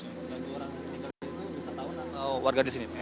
dua orang meninggal dunia itu bisa tahunan